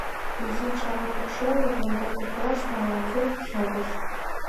Изи чара покшелне вондер коклаште ала-кӧ шогыш.